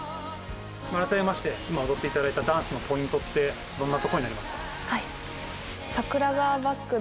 改めまして今踊っていただいたダンスのポイントってどんなところになりますか？